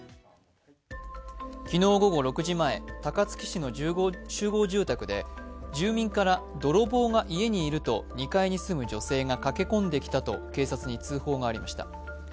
昨日午後６時前、高槻市の集合住宅で住民から泥棒が家にいると２階に住む女性が駆け込んできたと警察に通報がありました。